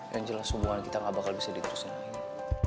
yang jelas hubungan kita gak bakal bisa diterusin lagi